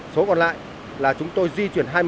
số còn lại là chúng tôi di chuyển